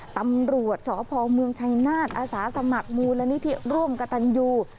ตำรวจสพเมืองชัยนาฏอาสาสมัครมูลนิธิร่วมกระตันยู